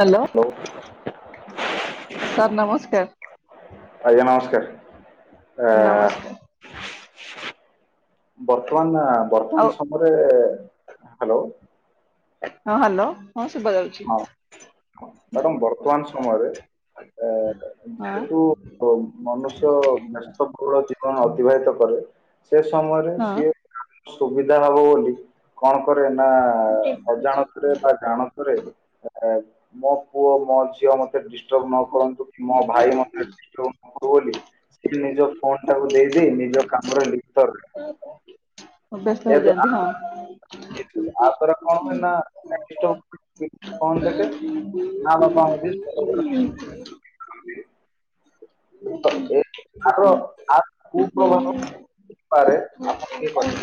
Hello hello sir ନମସ୍କାର। ଆଜ୍ଞା ନମସ୍କାର ଆ ନମସ୍କାର ବର୍ତ୍ତମାନ ଆ ଆଉ ବର୍ତ୍ତମାନ ସମୟରେ ହାଲୋ। ହଁ ହାଲୋ ହଁ ଶୁଭାଯାଉଛି। ହଁ ମ୍ୟାଡ଼ାମ ବର୍ତ୍ତମାନ ସମୟରେ ଏ ହଁ ଯେହେତୁ ଓ ମନୁଷ୍ୟ ବ୍ୟସ୍ତବକୂଳ ଜୀବନ ଅତିବାହିତ କରେ। ସେ ସମୟରେ ହଁ ସିଏ ସୁବିଧା ହବ ବୋଲି କଣ କରେ ନା ଦେଖୁଛି ଅଜାଣତରେ ନା ଜାଣ ରେ ମୋ ପୁଅ ମୋ ଝିଅ ମ ମେ ଡିଷ୍ଟବ୍ର ନ କରନ୍ତୁ କି ମୋ ଭାଇ ମୋତେ ଡିଷ୍ଟବ୍ର ବୋଲି ସେ ନିଜ ଫୋନ୍ ଟାକୁ ଦେଇଦେଇ ନିଜ କାମରେ ଲିପ୍ତ ରହେ। [inaudible] ବ୍ୟସ୍ତ ଏତ ଆ ହେଇଯାଆନ୍ତି ହଁ ଆ ପରେ କଣ ହୁଏ [inaudible] କମ ଦେଖ। [unintelligible] ତ ଏ ତାର ତାର କୁପ୍ରଭାବ ପାରେ ଆପଣ କିଏ କହି [unintelligible]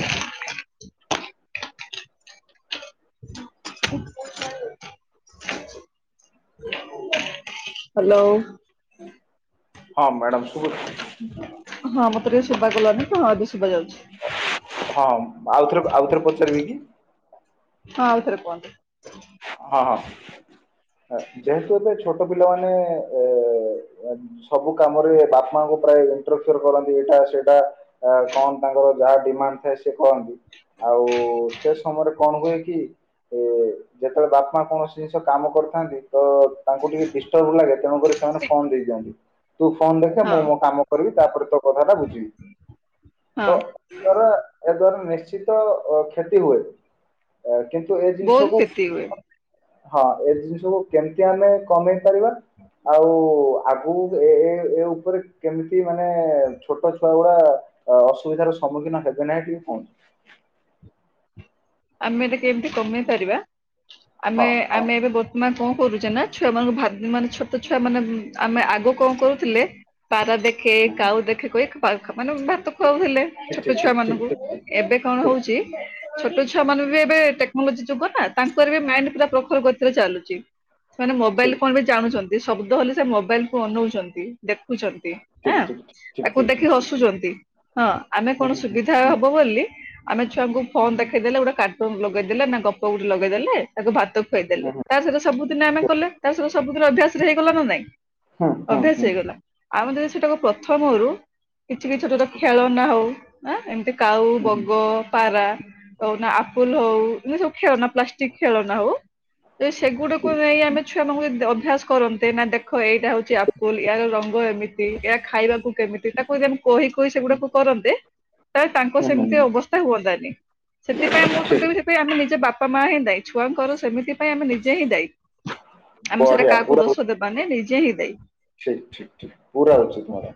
ହାଲୋ ହଁ ମ୍ୟାଡ଼ାମ କୁହନ୍ତୁ ହଁ ମତେ ଟିକେ ଶୁଭା ଗଲନି ହଁ ଏବେ ଶୋଭ ଯାଉଛି। ହଁ ହଁ ଆଉଥରେ ଆଉଥରେ ପଚାରିବି କି? ହଁ ଆଉ ଥରେ କୁହନ୍ତୁ। ହଁ ହଁ ଯେହେତୁ ଏବେ ଛୋଟ ପିଲାମାନେ ଏ ସବୁ କାମରେ ବାପାଙ୍କୁ ପ୍ରାୟ [unintelligible] କରନ୍ତି ଏଇଟା ସେଇଟା। ଆ କଣ ତାଙ୍କର ଯାହା ଡିମାଣ୍ଡ ଥାଏ ସେ କହନ୍ତି। ଆଉ ସେ ସମୟରେ କଣ ହୁଏ କି ଏ ଯେତେବେଳେ ବାପା କୌଣସି ଜିନିଷ କାମ କରୁ ତ ତାଙ୍କୁ ଟିକେ ଡିଷ୍ଟର୍ବ ଲାଗେ ତେଣୁକରି ସେମାନେ ଫୋନ ଦେଇ ଦିଅନ୍ତି। ତୁ ଫୋନ ଦେଖେ ହଁ ମୁଁ ମୋ କାମ କରିବି ତାପରେ ତୋ କଥାଟା ବୁଝିବି। ହଁ। [inaudible] ନିଶ୍ଚିତ କ୍ଷତି ହୁଏ କିନ୍ତୁ ଏ ବହୁତ ଜିନିଷକୁ କ୍ଷତି ହୁଏ। ହଁ ଏ ଜିନିଷକୁ କେମିତି ଆମେ କମେଇ ପାରିବା ଆଉ ଆଗକୁ ଏ ଏ ଏ ଉପରେ କେମିତି ମାନେ ଛୋଟ ଛୁଆ ଗୁଡା ଅ ଅସୁବିଧାର ସମ୍ମୁଖୀନ ହେବେ ନାହିଁ ଟିକେ କୁହନ୍ତୁ। ଆମେ ବି କେମିତି କମେଇ ପାରିବା ହଁ ଆମେ ହଁ ଆମେ ଏବେ ବହ ମା କଣ କରୁଛେ ନା ଛୁଆ ମାନଙ୍କୁ ମାନେ ଛୋଟ ଛୁଆ ମାନେ ଆମେ ଆଗ କଣ କରୁଥିଲେ ପାରା ଦେଖେ ହୁଁ, ହୁଁ। କାଉ ଦେଖେ କହି ମାନେ ଭାତ ଖୁଆଉଥିଲେ ଠିକ ଛୋଟ ଠିକ ଛୁଆ ଠିକ ମାନଙ୍କୁ। ଠିକ ଠିକ ଠିକ ଠିକ ଏବେ କଣ ଠିକ ଠିକ ହଉଛି ଛୋଟ ଛୁ ଛୁଆ ମାନେ ବି ଏବେ ଟେକ୍ନୋଲୋଜି ଯୁଗ ନା ତାଙ୍କର ବି ମାଇଣ୍ଡ ପୁରା ପ୍ରଖର ଗତିରେ ଚାଲୁଛି। ସେମାନେ ମୋବାଇଲ ଠିକ। କଣ ବି ଜାଣୁଛନ୍ତି ଶବ୍ଦ ହେଲେ ସେ ମୋବାଇଲ କୁ ଅନଉଛନ୍ତି ଦେଖୁଛନ୍ତି। ଠିକ ଆଁ ତାକୁ ଠିକ ଠିକ ଦେଖିକି ଠିକ ହସୁଛନ୍ତି ହଁ। ଆମେ ହୁଁ କଣ ହୁଁ ସୁବିଧା ହୁଁ ହବ ବୋଲି ଆମେ ଛୁଆଙ୍କୁ ହୁଁ ଫୋନ ଦେଖ ଗୋଟେ କାର୍ଟୁନ ଲଗେଇଦେଲେ ନା ଗପ ଗୋଟେ ଲଗେଇଦେଲେ ତାକୁ ଭାତ ଖୁଆଇଦେଲେ ହୁଁ ହୁଁ ତା ସହିତ ସବୁଦିନ ଆମେ କଲେ। ତା ସହିତ ସବୁଦିନ ଅଭ୍ୟାସ ରେ ହେଇଗଲା ନା ନାଇଁ ହୁଁ ହୁଁ ହୁଁ ଅଭ୍ୟାସ ହେଇଗଲା। ଆମେ ଯଦି ସେଟାକୁ ପ୍ରଥମରୁ କିଛି କିଛି ଛୋଟ ଖେଳ ନା ହଉ ନା ଏମିତି। କାଉ ହୁଁ ହୁଁ। ବଗ ପାରା ହଉନା ଆପୁଲ ହଉ ଏତି ସବୁ ଖେଳନା ପ୍ଲାଷ୍ଟିକ ଖେଳନା ହଉ। ସେଗୁଡାକୁ ଠିକ ନେଇ ହୁଁ ଆମେ ଛୁଆମାନଙ୍କୁ ଯଦ ଅଭ୍ୟାସ କରନ୍ତେ ନା ଦେଖ ଏଇଟା ହଉଛି। ସ୍କୁଲ ହାର ରଙ୍ଗ ଏମିତି ଏହା ଖାଇବାକୁ କେମିତି। ସେତାକୁ ଯେମି କହି କହି ସେଗୁଡାକୁ କରନ୍ତେ ତାହେଲେ ତାଙ୍କ ହୁଁ ହୁଁ ସେମିତି ହୁଁ। ଅବସ୍ଥା ହୁଅନ୍ତାନି। ସେଥିପାଇଁ ମୁଁ ତ ଠିକ କହିବି ସେଥିପାଇଁ ଆମେ ନିଜେ ବାପା ମାଆ ହିଁ ଦାୟୀ ଛୁଆଙ୍କର ସେମିତି ପାଇଁ ଆମେ ନିଜେ ହିଁ ଦାୟୀ। ଆମେ ସେଟା ବଢିଆ କାହାକୁ ଦୋଷ ଦେବାନି ନିଜେ ହିଁ ଦାୟୀ। ଠିକ୍ ଠିକ୍ ଠିକ୍ ପୁରା ଅଛି ତୁମର,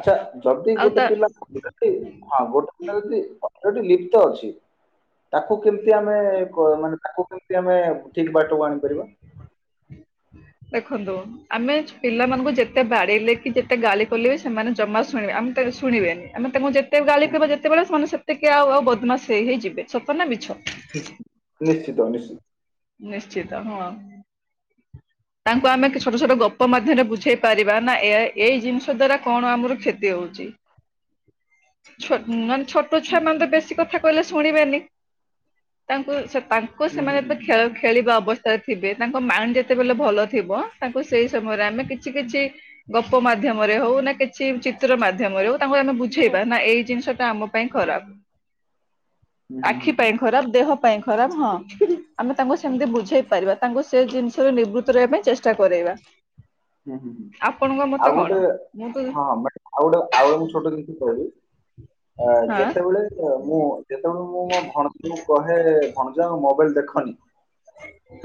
ଆଚ୍ଛା ଯଦି ଆଉ ଗୋଟେ ତା ପିଲା ଟି ଆଉ ଗୋଟେ ପିଲା ଯଦି ଅଲରେଡି ଲିପ୍ତ ଅଛି ତାକୁ କେମିତି ଆମେ କ ମାନେ ତାକୁ କେମତି ଆମେ ଠିକ ବାଟକୁ ଆଣିପାରିବା। ଦେଖନ୍ତୁ ଆମେ ପିଲାମାନଙ୍କୁ ଯେତେ ବାଡେଇଲେ କି ଯେତେ ଗାଳି କଲେ ବି ସେମାନେ ଜମା ଶୁଣିବେ ଆମତେ ଶୁଣିବେନି। ଆମେ ତାଙ୍କୁ ଯେତେ ଗାଳି ହୁଁ ହୁଁ। କରିବା ଯେତେବେଳେ ସେମାନେ ସେତିକି ଆଉ ଆଉ ବଦମାସ ହେଇ ହେଇଯିବେ, ସତ ନା ମିଛ? ହୁଁ, ନିଶ୍ଚିତ ନିଶ୍ଚିତ। ନିଶ୍ଚିତ, ହଁ। ତାଙ୍କୁ ଆମେ କିଛି ଛୋଟ ଛୋଟ ଗପ ମାଧ୍ୟମରେ ବୁଝେଇ ପାରିବା ନା ଏଆଇ ଏଇ ଜିନିଷ ଦ୍ଵାରା କଣ ଆମର କ୍ଷତି ହଉଛି? ଛୋଟ୍ ମାନେ ଛୋଟ୍ ଛୋଟ ହୁଁ ଛୁଆ ମାନେ ତ ବେଶୀ କଥା କହିଲେ ଶୁଣିବେନି, ତାଙ୍କୁ ସେ ତାଙ୍କୁ ହୁଁ ହୁଁ ସେମାନେ ହୁଁ ବେ ଖେଳିବା ଅବସ୍ଥାରେ ଥିବେ ତାଙ୍କ ମାଇଣ୍ଡ ଯେତେବେଳେ ଭଲ ଥିବ ତାଙ୍କୁ ସେଇ ସମୟରେ ଆମେ କିଛି କିଛି ଗପ ମାଧ୍ୟମରେ ହଉ ନା କିଛି ଚିତ୍ର ମାଧ୍ୟମରେ ହଉ ତାଙ୍କୁ ଆମେ ବୁଝେଇବା ନା ଏଇ ଜିନିଷ ଟା ଆମ ପାଇଁ ଖରାପ, ହୁଁ ହୁଁ ହୁଁ ହୁଁ ଆଖି ପାଇଁ ଖରାପ, ଦେହ ପାଇଁ ଖରାପ, ହଁ। ଆମେ ତାଙ୍କୁ ସେମିତି ବୁଝେଇ ପାରିବା ତାଙ୍କୁ ସେ ଜିନିଷ ରେ ନିବୃତ୍ତ ରହିବା ପାଇଁ ଚେଷ୍ଟା କରେଇବା। ହୁଁ ହୁଁ ହୁଁ ଆପଣଙ୍କ ମତ ଆଉ କଣ ଗୋଟେ ମୁଁ ତ ହଁ ବଟ୍ ଆଉ ଗୋଟେ ଆଉ ଗୋଟେ ମୁଁ ଛୋଟ ଜିନିଷ କହିବି। ଆ ଯେତେବେଳେ ଆ ମୁଁ ଯେତେବେଳେ ମୁଁ ମୋ ଭଣ ମୁଁ କହେ ଭଣଜା ମୋବାଇଲ ଦେଖନି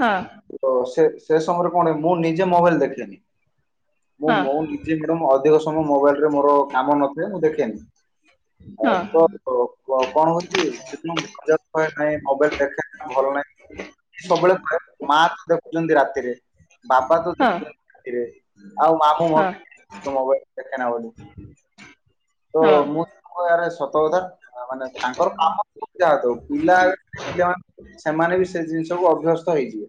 ହଁ। ତ ସେ ସେ ସମୟରେ କଣ ମୁଁ ନିଜେ ମୋବାଇଲ ଦେଖେନି। ମୁଁ ମୋ ନିଜେ ଆଡୁ ଅଧିକ ସମୟ ମୋବାଇଲରେ ମୋର କାମ ନ ଥାଏ ମୁଁ ଦେଖେନି। ଆଛ। ଓ କ କଣ ହଉଛି କି ମାକ୍ସିମମ୍ ମଜା କରିବାର ନାହିଁ ମୋବାଇଲ ଦେଖେ ଭଲ ନାହିଁ। କି ସବୁବେଳେ କହେ ମା ତ ଦେଖୁଛନ୍ତି ରାତିରେ। ବାପା ତ ଦେଖୁଛନ୍ତି ରାତିରେ, ଆଉ ମାମୁଁ ମତେ ମୋବାଇଲ ଦେଖେନା ବୋଲି। ତ ମୁଁ ହଁ ଆ ରେ ସତ କଥା ଆ ମାନେ ତାଙ୍କର କାମ ଥାଉ କି ଯାହା ଥାଉ ପିଲା ଦେଖିଲେ ମାନେ ସେମାନେ ବି ସେ ଜିନିଷକୁୁ ଅଭ୍ୟସ୍ତ ହେଇଯିବେ।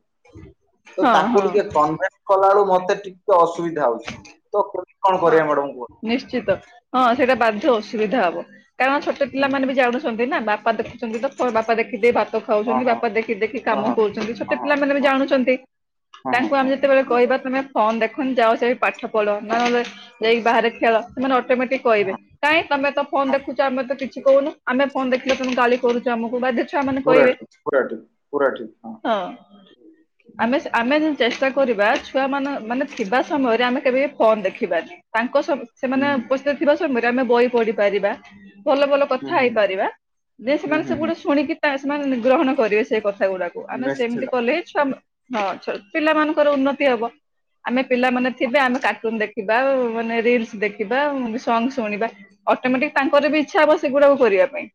ହଁ ତ ହଁ ତାକୁ ହଁ ଟିକେ କନଭେଣ୍ଟ କଲାବେଲୁ ମତେ ଟିକେ ଅସୁବିଧା ହଉଛି ତ କନ୍- କଣ ହଁ କରିବା ମ୍ୟାଡମ କୁହ? ନିଶ୍ଚିତ ହଁ ସେଇଟା ବାଧ୍ୟ ଅସୁବିଧା ହବ କାରଣ ଛୋଟ ହୁଁ ପିଲାମାନେେ ହୁଁ ବି ଜାଣୁ ଛନ୍ତି ନା ବାପା ଦେଖୁଛନ୍ତି ତ ଵ ବାପା ଦେଖି ଦେଇ ଭାତ ଖାଉଛନ୍ତି ହଁ ବାପା ଦେଖି ଦେଖି ହଁ କାମ ହଁ କରୁଛନ୍ତି ହଁ ଛୋଟ ପିଲାମାନେ ବି ହଁ ଜାଣୁଛନ୍ତି ହଁ ହଁ ତାଙ୍କୁ ଆମେ ହଁ ହଁ ଯେତେବେଳେ କହିବା ତମେ ଫୋନ ଦେଖନି ଯାଅ ସେ ପାଠ ପଢ଼ ନ ହେଲେ ଯାଇକି ବାହାରେ ଖେଳ, ସେମାନେ ଅଟୋମେଟିକ କହିବେ ହଁ କାହିଁ ତମେ ତ ଫୋନ ଦେଖୁଛ ଆମେ ତ କିଛି କହୁନୁ ଆମେ ଫୋନ୍ ଦେଖିଲେ ତମେ ଗାଲି କରୁଛ ଆମକୁ ବାଧ୍ୟ ଛୁଆମାନେ ପୁରା କହିବେ, ଠିକ ପୁରା ଠିକ ପୁରା ଠିକ ହଁ। ଆମେ ସ ଆମେ ଯଦି ଚେଷ୍ଟା କରିବା ଛୁଆ ମାନ ମାନେ ଥିବା ସମୟରେ ଆମେ କେବେ ଫୋନ ଦେଖି ବାନି ତାଙ୍କ ସବୁ ସେମାନେ ଉପସ୍ଥିତ ଥିବା ସମୟରେ ଆମେ ବହି ପଢ଼ି ପାରିବା ଭଲ ଭଲ କଥା ହେଇପାରିବା, ଯେ ସେମାନେ ସେଗୁଡ଼ା ଶୁଣିକି ସେମାନେ ଗ୍ରହଣ କରିବେ ସେଇ କଥା ଗୁଡାକ। ଆମେ ସେମତି ନିଶ୍ଚିତ। କଲେ ହିଁ ଛୁଆ ହଁ ପିଲାମାନଙ୍କର ଉନ୍ନତି ହବ, ଆମେ ପିଲାମାନେ ଥିବେ ଆମେ କାର୍ଟୁନ ଦେଖ ଖିବା ମାନେ ରିଲସ ଦେଖିବା ସଙ୍ଗ ଶୁଣିବା ଅଟୋମେଟିକ ତାଙ୍କର ବି ଇଚ୍ଛା ହବ ସେଗୁଡାକୁ କରିବା ପାଇଁ।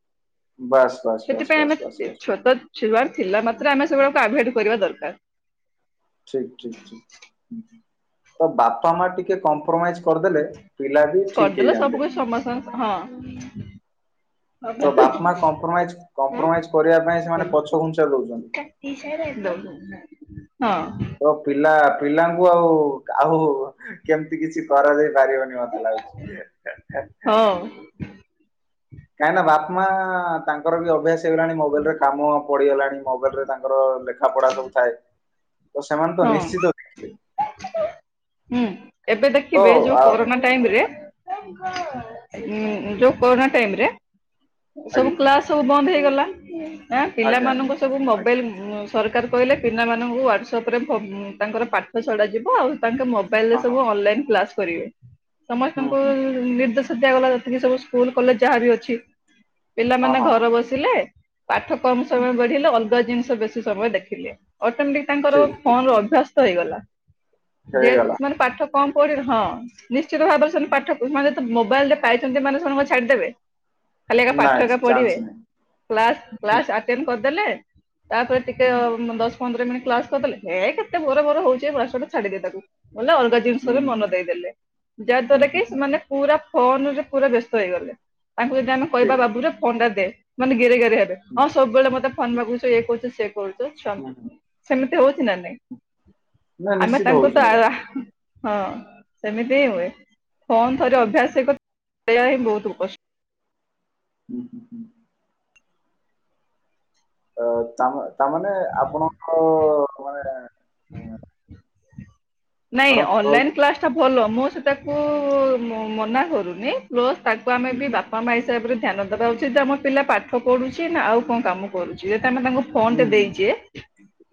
ବାସ୍, ବାସ୍, ବାସ୍, ସେଥିପାଇଁ ବାସ୍, ଆମେ ବାସ୍, ବାସ୍। ଛୋଟ ଛୁଆ ଥିଲା ମାତ୍ରେ ଆମେ ସେଗୁଡାକୁ ଆଭୋଏଡ କରିବା ଦରକାର। ଠିକ, ଠିକ, ଠିକ, ତ ବାପା ମା ଟିକେ କମ୍ କମ୍ପୋରମାଇଜ କରିଦେଲେ ପିଲା ବି ଠିକ ହେଇଯାଆନ୍ତେ। ହଁ। ତ ବାପା ମା କମ୍ପ୍ରମାଇଜ କମ୍ପ୍ରମାଇଜ କରିବା ପାଇଁ ସେମାନେ ହଁ ପଛଘୁଞ୍ଚା ଦଉଛନ୍ତି। [unintelligible] ତ ପିଲା ପିଲାଙ୍କୁ ଆଉ ଆଉ କେମିତି କିଛି କରାଯାଇ ପାରିବନି ମତେ ଲାଗୁଛି। [inaudible] ହଉ। କାହିଁକି ନା ବାପ ମା ତାଙ୍କର ବି ଅଭ୍ୟାସ ହେଇଗଲାଣି ମୋବାଇଲ ରେ କାମ ପଢିଗଲାଣି ମୋବାଇଲ ରେ ତାଙ୍କର ଲେଖା ପଢା ସବୁଥାଏ। ହଁ ହୁଁ। ଏବେ ତ ଦେଖିବେ ଯୋଉ ଆ କରୋନା ଟାଇମ ରେ ଯୋଉ କରୋନା ଟାଇମ ରେ ସବୁ ଆଜ୍ଞା କ୍ଲାସ ସବୁ ବନ୍ଦ ହେଇଗଲା ନା ଆଜ୍ଞା ଆଜ୍ଞା ପିଲାମାନଙ୍କ ସବୁ ମୋବାଇଲ୍ ସରକାର କହିଲେ ପିଲାମାନଙ୍କୁ [unintelligible] ତାଙ୍କର ପାଠ ଛଡ଼ାଯିବ, ଆଉ ତାଙ୍କ ମୋବାଇଲ ରେ ଆଜ୍ଞା ସବୁ ହଁ ଅନଲାଇନ୍ କ୍ଲାସ୍ କରିବେ। ହଁ ହୁଁ ସମସ୍ତଙ୍କୁ ହୁଁ ନିର୍ଦ୍ଦେଶ ଦିଆଗଲା ଯେତିକି ସବୁ ସ୍କୁଲ କଲେଜ ଯାହାବି ଅଛି। ହଁ ପିଲାମାନେ ହଁ ହଁ ଘର ବସିଲେ ପାଠ କମ ହୁଁ ସମୟ ବଢିଲେ ଅଲ ଲଗା ଜିନିଷ ବେଶୀ ସମୟ ଦେଖିଲେ, ଅଟୋମେଟିକ ତାଙ୍କର ଠିକ୍ ଠିକ୍ ଫୋନ ର ଠିକ୍ ଅଭ୍ୟାସ୍ତ ହେଇଗଲା। ଯେ ହେଇଗଲା ସେମାନେ ପାଠ କମ ପଢିଲେ ହଁ ନିଶ୍ଚିତ ଭାବରେ ସେମାନେ ପାଠ ମାନେ ମୋବାଇଲ ରେ ପାଇଛନ୍ତି ମାନେ ସେମାନେ କଣ ଛାଡିଦେବେ। ଖାଲି ଏକା ନାଇଁ ପାଠ ପଢିବେ ଚାନ୍ସ ନାହିଁ କ୍ଲାସ କ୍ଲାସ ଆ ଆଟେଣ୍ଟ କରିଦେଲେ ତାପରେ ଟିକେ ହୁଁ ଦଶ ପନ୍ଦର ମିନିଟ୍ କ୍ଲାସ୍ କରିଦେଲେ ହେ କେତେ ବର ବର ହଉଛି ଏ ମାଷ୍ଟର ଛାଡିଦେ ତାକୁ ଅଲଗା ହୁଁ ଜିନିଷରେ ହୁଁ ମନ ଦେଇଦେଲେ, ଯାହା ହୁଁ ଦ୍ଵାରା କି ହୁଁ ହୁଁ ସେମାନେ ହୁଁ ପୁରା ଫୋନ ରେ ପୁରା ବ୍ୟସ୍ତ ହେଇଗଲେ, ତାଙ୍କୁ ଯଦି ଆମେ କହିବା ଠିକ୍ ବାବୁ ରେ ଫୋନ ଟା ଦେ ମାନେ ଗେରେ ଗେରେ ହେବେ, ହୁଁ ହଁ ସବୁବେଳେ ମତେ ଫୋନ ମାଗୁଛ ଏ କରୁଛ ସେ କରୁଛ ଛୁଆ ହୁଁ ଙ୍କୁ। ହୁଁ ସେମିତି ହଉଛି ନା ନାଇଁ ନା ଆମେ ନିଶ୍ଚିତ ତାଙ୍କୁ ହଉଛି ତ ମ୍ୟାଡ଼ାମ୍ ହଁ ସେମିତି ହିଁ ହୁଁ ହୁଏ, ଫୋନ ଥରେ ହୁଁ ଅଭ୍ୟାସ କରିବା ହିଁ ବହୁତ କଷ୍ଟ। ହୁଁ ହୁଁ ହୁଁ। ଅ ତା ତାମାନେ ଆପଣଙ୍କ [unintelligible] ନାଇଁ ମ୍ୟାଡ଼ାମ୍ ହୁଁ ଅନଲାଇନ କ୍ଲାସ ଟା ଭଲ ମୁଁ ସେଟାକୁ ମନା କରୁନି। ପ୍ଲସ୍ ତାକୁ ଆମେ ହୁଁ ବି ବାପା ମା ହିସାବରେ ଧ୍ୟାନ ଦେବା ଉଚିତ ଯେ, ଆମ ପିଲା ପାଠ ପଢୁଛି ନା ଆଉ କଣ କାମ କରୁଛି ଯେ ଆମେ ତାଙ୍କୁ ଫୋନ ହୁଁ ଟେ ହୁଁ ଦେଇଛେ,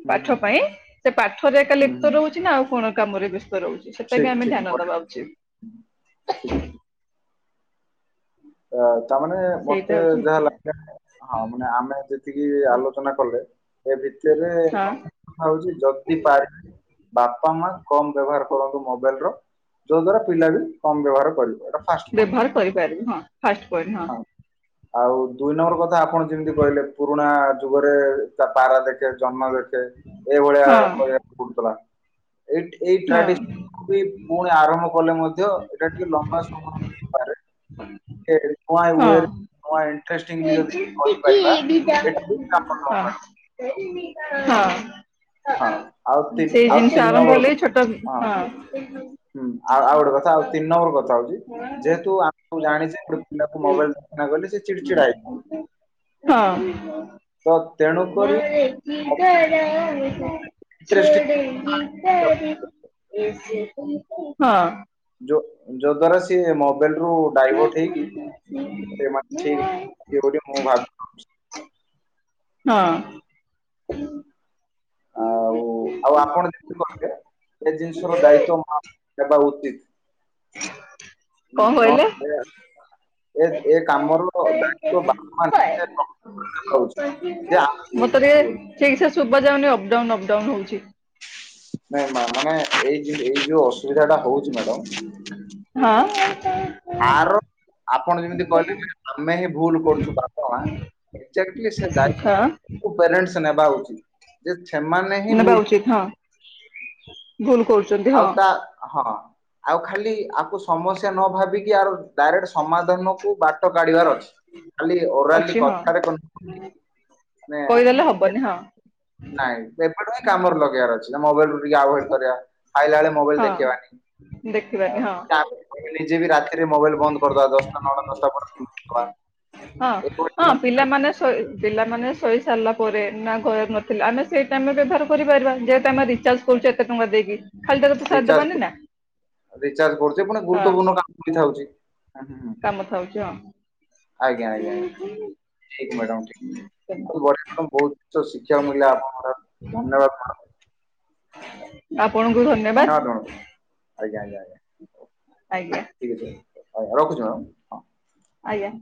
ହୁଁ ପାଠ ହୁଁ ପାଇଁ ସେ ପାଠରେ ଏକା ହୁଁ ହୁଁ [unintelligible] ରହୁଛି ନା ଆଉ କଣ କାମରେ ବ୍ୟସ୍ତ ରହୁଛି, ସେଟା ବି ଠିକ୍ ଆମେ ଠିକ୍ ଧ୍ୟାନ ବଢ଼ିଆ ଦବା ଠିକ୍ ଉଚିତ। ଠିକ୍ ତ ତାମାନେ ସେଇଟା ମତେ ହଉଛି ଯାହା ମୁଖ୍ୟ ଲାଗିଲା ହଁ ମାନେ ଆମେ ଯ ଯେତିକି ଆଲୋଚନା କଲେ ଏ ଭିତରେ କଥା। ପ୍ରଥମ ହଁ କଥା ହଉଛି ଯଦି ପାରି ବାପା ମା କମ ବ୍ୟବହାର କରନ୍ତୁ ମୋବାଇଲ ର ଯାଉ ଦ୍ଵାରା ପିଲା ବି କମ ବ୍ୟବହାର କରିବେ। ବ୍ୟବହାର କରିପାରିବେ ହଁ ଫାଷ୍ଟ ପଏଣ୍ଟ ହଁ। ଆଉ ଦୁଇ ନମ୍ବର କଥା ଆପଣ ଯେମିତି କହିଲେ ପୁରୁଣା ଯୁଗରେ ତା ପାରା ଦେଖେ ଜନ୍ମ ଦେଖେ ଏଇଭଳିଆ ହଁ କରିବାକୁ ପଡୁଥିଲା ଏଇଠି ଏଇ ହଁ ଟ୍ରାଡିସନ ବି ପୁଣି ଆରମ୍ଭ କଲେ ମଧ୍ୟ ଏଇଟା ଟିକେ ଲମ୍ବା ସମୟ ନେଇପାରେ। [inaudible] ହଁ ହଁ [unintelligible] ନୂଆ ଇଣ୍ଟ୍ରେଷ୍ଟିଙ୍ଗ ଯଦି କହିପାରିବା ଦିଟା। ଏଇଟା [unintelligible] ହଁ ହଁ ଆଉ ତିନି ସେଇ ଆଉ ଜିନିଷ ତିନି ଆରମ୍ଭ ନମ୍ବର କ ହେଲେ ଛୋଟ ହଁ [unintelligible] ହଁ। ହୁଁ ଆଉ ଆଉ ଗୋଟେ କଥା ଆଉ ତିନି ନମ୍ବର କଥା ହୋଉଚି ଯେହେତୁଆ ମୁ ଜାଣିଚି ଗୋଟେ ପିଲାକୁ ମୋବାଇଲ [unintelligible] ଚିଡ଼ଚିଡା ହେଇଯିବ ତ ତେଣୁକରି ଇଣ୍ଟରେଷ୍ଟିଂ [unintelligible] ହଁ। ଯୋ ଯୋ ଦ୍ୱାରା ସେ ମୋବାଇଲ ରୁ ଡାଇଭର୍ଟ ହେଇକି [unintelligible] ହଁ। ଆଉ ଆଉ ଆପଣ ଯେମିତି କହିଲେ ଏ ଜିନିଷର ଦାୟିତ୍ଵ ମୁଁ ଆପଣ ଙ୍କୁ ଦେବା ଉଚିତ୍। କଣ ନ କହିଲେ? ଏ ଏ ହଏ। କାମର ଦାୟିତ୍ୱ ବାପା [unintelligible] [unintelligible] ମୋତେ ଟିକେ ଠିକ୍ ସେ ଶୁଭ ଯାଉନି ଅପଡାଉନ୍ ଅପଡାଉନ୍ ହୋଉଚି। [unintelligible] ଅସୁବିଧା ଟା ହୋଉଚି ମ୍ୟାଡ଼ାମ। ହଁ [unintelligible] ଆର ଆପଣ ଯେମିତି କଇଲେ ଯେ ଆମେ ହିଁ ଭୁଲ କରୁଚୁ ବାପ ମା। ଏକ୍ସାକ୍ଟଲି ସେ ଦାୟିତ୍ୱ ହଁ କୁ ପ୍ୟାରେଣ୍ଟସ ନେବା ଉଚିତ। ଯେ ସେମାନେ ହିଁ ନେବା ଭୁଲ ଉଚିତ ହଁ ଭୁଲ କୋ ଆଉ ତା ହଁ ଆଉ ଖାଲି ଆକୁ ସମସ୍ୟା ନ ଭାବିକି ଆର ଡାଇରେକ୍ଟ ସମାଧାନ କୁ ବାଟ କାଢିବାର ଅଛି ଖାଲି ଓରାଲି ଅଛି ହଁ। କଥାରେ କହିକି କହିଦେଲେ ହବନି ହଁ। ନାଇଁ ଏବେଠୁ ହିଁ କାମରେ ଲଗେଇବାର ଅଛି ନା ମୋବାଇଲ ରୁ ଟିକେ ଆଭୋଏଡ କରିବା ଖାଇଲା ବେଳେ ମୋବାଇଲ ହଁ ଦେଖେଇବାନି ଦେଖିବାନି ହଁ ନିଜେ ବି ରାତି ରେ ମୋବାଇଲ ବନ୍ଦ କରିଦବା ଦଶଟା ନଅଟ ଦଶ ହଁ। ହଁ [unintelligible] ପିଲାମାନେ ପିଲାମାନେ ଶୋଇ ସାରିଲା ପରେ ନା ଘରେ ନଥିଲେ ଆମେ ସେଇ ଟାଇମରେ ବ୍ୟବହାର କରିପାରିବା ଯେହେତୁ ଆମେ ରିଚାର୍ଜ [unintelligible] ଟଙ୍କା ଦେଇକି ଖାଲିଟାରେ ତ ରିଚାର୍ଜ ସାରି ରିଚାର୍ଜ କରୁଛେ ପୁଣି [unintelligible] ହଁ। [unintelligible] କାମ ଥାଉଚି ହଁ। ଆଜ୍ଞା ଆଜ୍ଞା ଠିକ୍ ମ୍ୟାଡ଼ାମ ଠିକ୍ ହଁ। ଖୁବ୍ [unintelligible] ଉଚ୍ଚ ଶିକ୍ଷା ମିଳିଲା ଆପଣଙ୍କଠାରୁ ଧନ୍ୟବାଦ ମ୍ୟାଡ଼ାମ। ଆପଣଙ୍କୁ ଧନ୍ୟବାଦ। ଧନ୍ୟବାଦ ମ୍ୟାଡ଼ାମ ଆଜ୍ଞା ଆଜ୍ଞା ଆଜ୍ଞା। ଆଜ୍ଞା। ଆଉ ରଖୁଚି ମ୍ୟାଡ଼ାମ। ଆଜ୍ଞା।